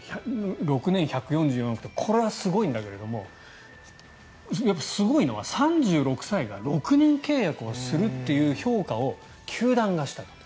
６年１４４億ってこれはすごいんだけれどすごいのは３６歳が６年契約をするっていう評価を球団がしたと。